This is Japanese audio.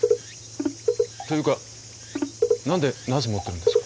っていうか何でナス持ってるんですか？